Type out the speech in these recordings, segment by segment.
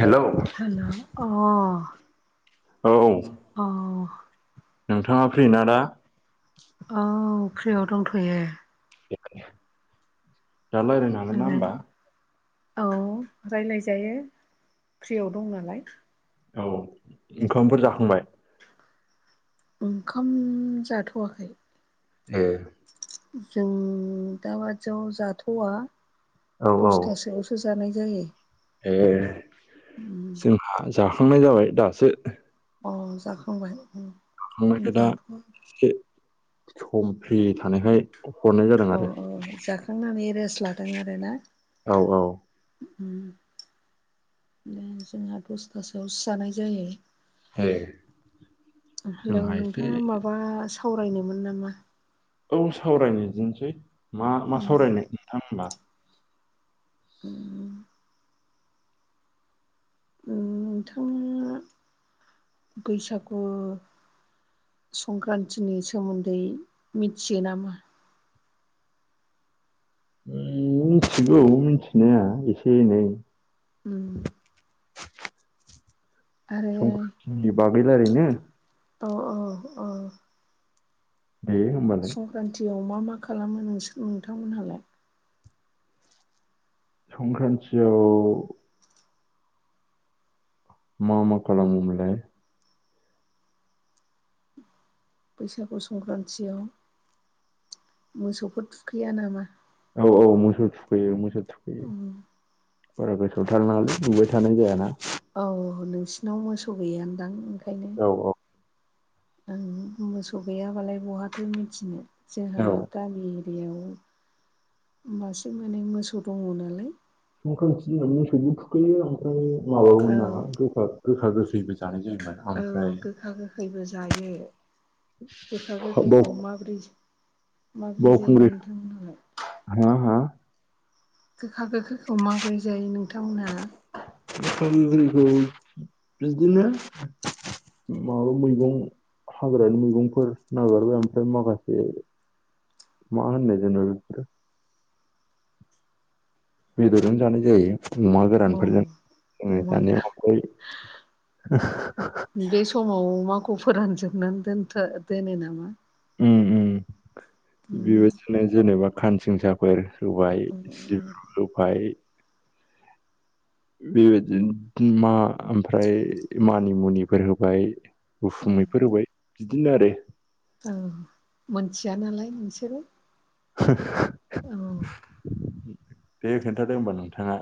हेल' hello अ औ औ औ नोंथाङा फ्रिना दा औ फ्रियाव दंथ'यो जल आरो आरो औ रायज्लायजायो फ्रियाव दं नालाय औ ओंखामफोर जाखांबाय ओंखाम जाथ'वाखै ए जों दाबादियाव जाथ'वा औ औ दसथासो सुजानाय जायो ए उम, जोंहा जाखांनाय जाबाय दासो अ जाखांबाय उम, थांनायखाय दा जाथ'वा एसे सम फ्रि थानायहाय हरनाय जादों औ आरो औ जाखांनानै रेस्ट लादों आरो ना औ औ जोंहा दसथासोआवो जानाय जायो ए हेल' जोंहा एसे नोंथाङा माबा सावरायनोमोन नामा औ सावरायनोदिनोसै मा मा उम, सावरायनो नोंथां होनबा [inaudible] नोंथाङा बैसागु संक्रान्तिनि सोमोन्दै मिथियो नामा मिथिगौ मिनथिनाया एसे एनै उम आरो संख्रानतिनि बागै रायलायनो औ औ औ बे संक्रान्तियाव मा मा खालामो नोंसोर नोंथांमोनहालाय संख्रान्तियाव म मा खालाम खालामो मोनलाय बैसागु संक्रान्तियाव मोसौफोर थुखैया नामा औ औ मोसौ थुखैयो मोसौ थुखैयो बारा गोसोआव थार नालाय नुबाय थानाय जायाना औ नोंसिनाव मोसौ गैयानदां ओंखायनो औ औ ओं मोसौ गैयाबालाय बहाथो मिथिनो जोंहा औ गामि एरियायाव मासे माने मोसौ दङ नालाय संख्रान्ति होननानै मोसौबो थुखैयो आमफ्राय माबामोन औ नामा [unintelligible] गोखा गोखैबो जागोन जेनेबा औ गोखा गोखैबो जायो गोखा बाव गोखैखौ माब्रै माब्रै जायो बावखुंग्रि नोंथांमोनहााय हा हा गोखा गोखाैखौ माबोरै जायो नोंथांमोनहा ओ [unintelligible] बिदिनो माबा मैगं हाग्रानि मैगंफोर नागारबाय आमफ्राय माखासे मा होनो जेन' बिफोरो बेदरजों जानाय जायो अमा अ गोरानफोरजों जोङो अमा जानायाव गोरान अओफ्राय बे समाव माखौ फोरानजोबनानै दोनथ दोनो नामा ओम ओ उम बेबायदिनो जेनेबा खानसिंसाफोर होबाय उम सिब होबाय बेबायदिनो मा ओमफ्राय मानि मुनिफोर होबाय उम गुफुमैफोर होबाय बिदिनो आरो औ मोनथिया नालाय नोंसोरो ह औ बे खोन्थादों होनबा नोंथाङा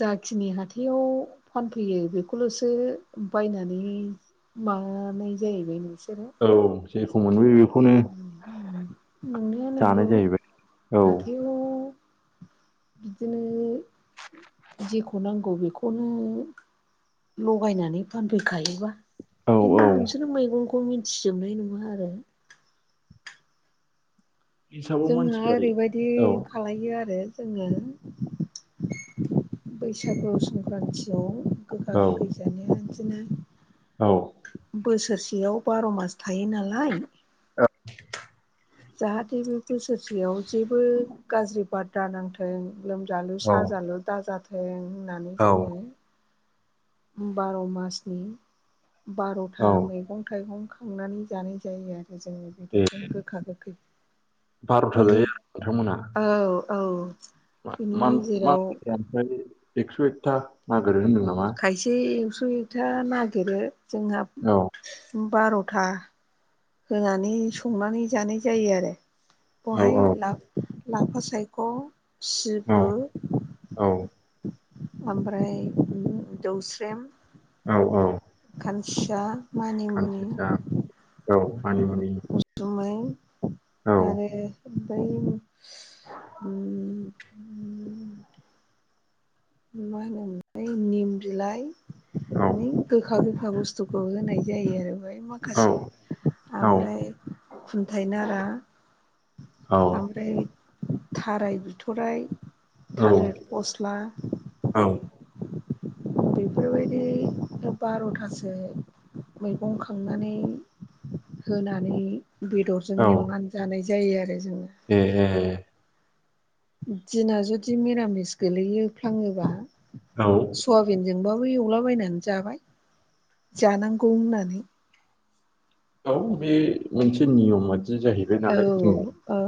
जाखिनि हाथायाव फानफैयो बेखौल'सो बायनानै मानाय जाहैबाय नोंसोरो औ जेखौ मोनबो बेखौनो नंनाया नंगौ जानाय जाहैबाय औ हाथायाव [inaudible] बिदिनो जेखौ नांगौ बेखौनो लगायनानै फानफैखायोबा औ औ खिन्थु नोंसोरो मैगंखौ मिथिजोबनाय नङा आरो हिसाबाव जोंहा मानसिफ्रा ओरैबायदि औ खालायो आरो जोङो बैसागु संक्रान्तियाव गोखा औ गोखै जानो बिदिनो औ बोसोरसेयाव बार' मास थायो नालाय औ जाहाथे बे बोसोरसेयाव जेबो गाज्रि बार दा नांथों लोमजालु औ साजालु दाजाथों होननानै औ जोङो बार' मासनि औ बार'था मैगं थाइगं खांनानै जानाय जायो आरो जोङो ए बेदरजों गोखा गोखै बार'था बेनि जायो आरो औ औ मान बिनि मान मान गेजेराव ओमफ्रायो एकस' एकथा नागिरो होनदों नामा? खायसे एक्स' एकथा नागिरो जोंहा औ बार'था होनानै संनानै जानाय जायो आरो औ बेहाय औ लाब लाफा सायख' औ सिब्रु औ ओमफ्राय जौस्रेम औ औ खानसिसा मानि खानसिसा औ उसुमै औ आरो ओमफ्राय ओ मा होनोमोनथाय निम बिलाइ नि गोखा गोखा बुस्थुखौ होनाय जायो आरो बेयाव औ माखासे औ ओमफ्राय खुन्थाइ नारा औ ओमफ्राय थाराय बिथराइ थालिर फस्ला औ बेफोरबायदि बार'थासो मैगं खांनानै होनानै बेदरजों एवनानै जानाय जायो आरो जोङो ए ए दिना जुदि मिरामिस गोलैफ्लाङोबा औ सयाबिनजोंबाबो एवलाबायनानै जाबाय जानांगौ होननानै औ बे मोनसे नियमबादि जाहैबाय औ नालाय जोंनि औ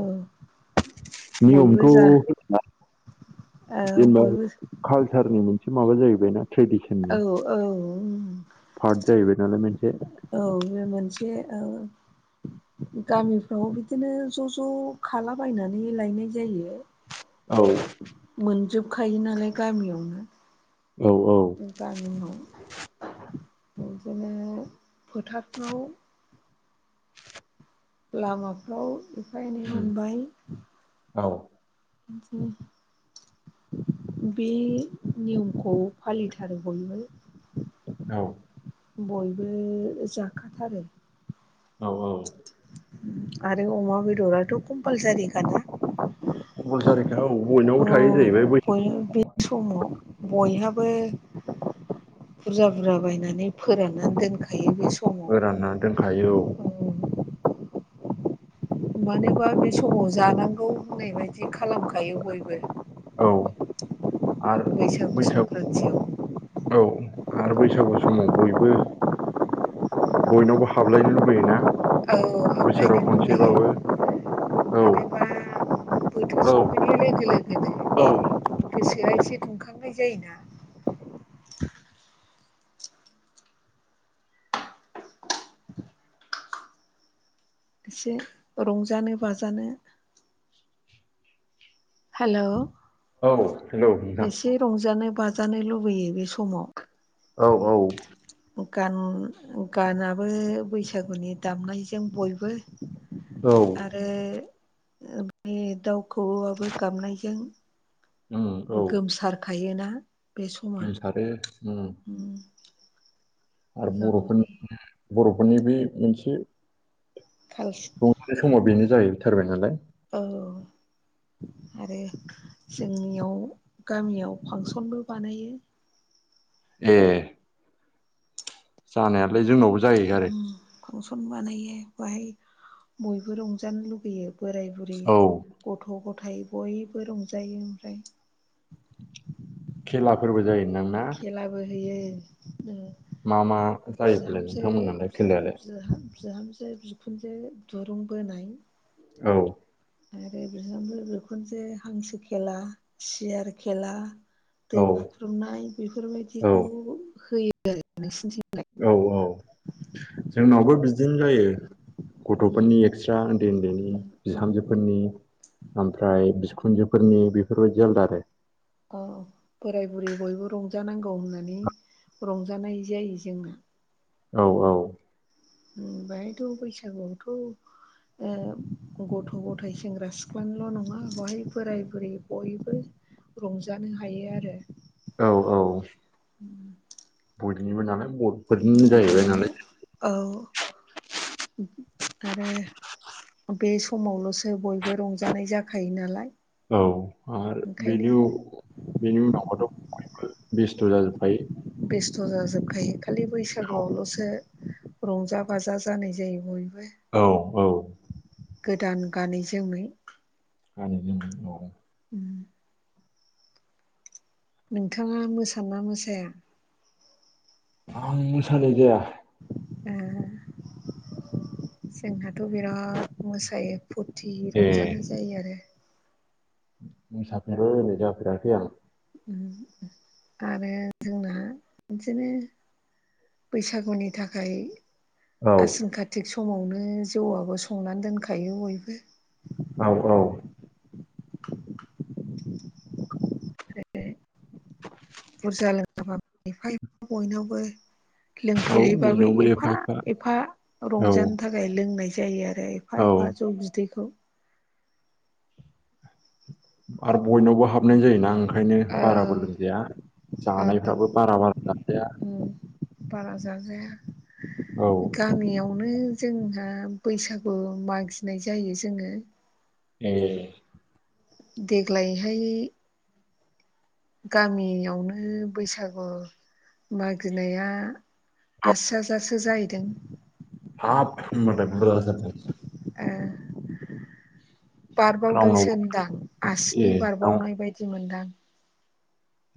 नियमथ' बयबो जा होफिना औ जेनेबा बयबो कालसारनि मोनसे माबा जाहैबायना ट्रेडिसननि औ औ पार्ट जाहैबाय नालाय मोनसे औ बे मोनसे औ गामिफ्राव बिदिनो ज' ज' खालाबायनानै लायनाय जायो औ मोनजोबखायो नालाय गामियावनो औ औ गामियाव बिदिनो फोथारफ्राव लामाफ्राव एफा एनै उम मोनबाय औ [inaudible] बे नियमखौ फालिथारो बयबो औ बयबो जाखाथारो औ औ आरो अमा बेदराथ' कम्पालसारि खा। बल जारिखा औ औ बयनावबो थायो जाहैबाय बे समाव बयहाबो। बुरजा बुरजा बायनानै फोराननानै दोनखायो बे सम फोरानना दोनखायो औ मानोबा बे समाव जानांगौ होननाय बायदि खालामखायो बयबो। औ आरो बैसागु संक्रान्तिआव औ आरो बैसागु समाव बयबो। बयनावबो हाबलायनो लुुबैयोना? औ। बोसोराव हामलायनो लुबैयो खनसेबाबो औ मानोबा बोथोर औ। [unintelligible] औ गोसोआ एसे दुंखांनाय जायोना? एसे रंजानो बाजानो। हेल' औ हेलौ नोंथां। रंजानो बाजानो लुबैयो बे समाव। औ औ। गान गानाबो बैसागुनि दामनायजों बयबो। औ। आरो बे दाउ खौऔयाबो गाबनायजों उम औ गोमसारखायोना बे समा गोमसारो उम आरो मोजां मोनो बर'फोरनि बर'फोरनि बे मोनसे। [unintelligible] बे समाव बेनो जाहैथारबाय नालाय। औ। आरो जोंनियाव गामियाव फांसनबो बानायो। ए। जानायालाय जोंनावबो जायो आरो। उम फांसन बानायो बाहाय बयबो रंजानो लुगैयो बोराय बुरि। औ गथ' गथाय बयबो रंजायो ओमफ्राय। खेलाफोरबो जायो। नोंदां ना खेलाबो होयो। मा मा जायोफालाय बिहामजो नोंथांमोननालाय बि खेलायालाय? बिहा बिहामजो बिखुनजो दुरुं बोनाय औ। आरो बिहामजो बिखुनजो हांसो खेला सियार खेला दो औ बुख्रुबनाय औ बेफोरबायदिखौ होयो आरो नोंसिनिथिलाय? औ औ जोंनावबो बिदिनो जायो। गथ'फोरनि एक्सट्रा उन्दैनि बिहामजोफोरनि ओमफ्राय बिखुनजोफोरनि बेफोरबायदि आलादा आरो। अ बोराय बुरै बयबो रंजानांगौ होननानै रंजानाय जायो जोंना। औ औ। बेहायथ' बैसागुआवथ' गथ' गथायाइ सेंग्रा सिख्लानिल' नङा बेहाय बोराय बुरि बयबो। रंजानो हायो आरो। औ औ। उम। नालाय बर'फोरनिनो जाहैबाय नालाय। औ आरो बे समावल'सो बयबो रंजानाय जाखायो नालाय औ आरो ओंखायनो बेनि बेनि उनावबाथ' बयबो बेस्थ' जाजोबखायो। बेस्थ' जाजोबखायो खालि बैसागुआवल'सो रंजा बाजा जानाय जायो बय बो औ औ गोदान गानै जोमै गानै जोमै औ उम नोंथाङा मोसाना मोसाया? आं मोसानाय जाया जोंहाथ' बिराद मोसायो। फुरथि ए रंजानाय जायो आरो। मोसाफेरो रोजाबफेराखै आं आरो जोंनाहा बिदिनो बैसागुनि थाखाय औ आसिन कातिक समावनो जौआबो संनानै दोनखायो बयबो औ औ बुरजा [unintelligible] बयनावबो लोंफेरहैबाबो एफा एफा औ रंजानो थाखाय ज लोंनाय जायो आरो एफा औ एफा जौ बिदैखौ आरो बयनावबो हाब हाबनाय जायोना ओंखायनो ओ बाराबो लोंजाया जानायफ्राबो बारा बारा जाजाया उम बारा जाजाया औ गामियावनो जोंहा बैसागु मागिनाय जायो जोङो ए देग्लायहाय गामियावनो बैसागु मागिनाया आस हाजासो जाहैदों ह म ए बारबावदोंसो रावनावबो होनदां ए आसिनि राव- बारबावनाय बायदि मोनदां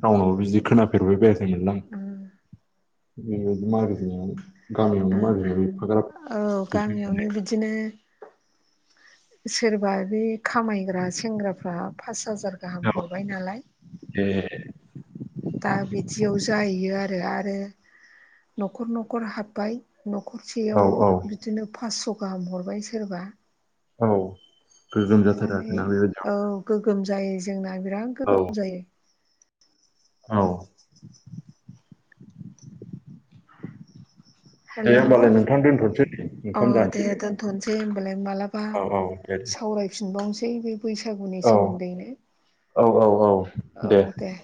रावनावबो बिदि खोनाफेरबाय बेरायाखैमोनलां उम आं बेबायदि मार गोजनानै ओ गामियावनो ओै फाग्रा औ फैसा गामियावनो बिदिनो सोरबा बे खामायग्रा सेंग्राफ्रा पास हाजार गाहाम हरबाय नालाय ए दा बिदियाव जाहैयो आरो आरो न'खर न'खर हाब्बाय न'खरसेयाव औ औ बिदिनो फास्स' गाहाम हरबाय सोरबा औ गोजोम जाथारो आरो ओमफ्राय ना बेबायदि औ गोगोम जायो जोंना बिराद औ गोगोम जायो औ दे हेलौ होनोमबालाय नोंथां दथ'नोसै अ दे दोनथ'नोसै होमबालाय मालाबा औ औ दे दे सावरायफिनबावनोसै बैसागुनि औ सोमोन्दैनो औ औ औ औ दे